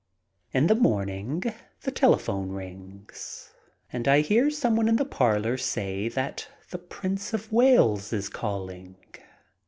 In the morning the telephone rings and I hear some one in the parlor say that the Prince of Wales is calling.